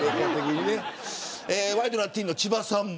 ワイドナティーンの千葉さん。